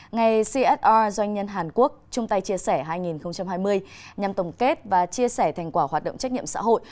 ngày csr doanh nhân hàn quốc chung tay chia sẻ hai nghìn hai mươi nhằm tổng kết và chia sẻ thành quả hoạt động trách nhiệm xã hội